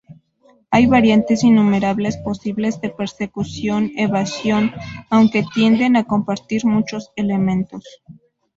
Hay variantes innumerables posibles de persecución-evasión, aunque tienden a compartir muchos elementos.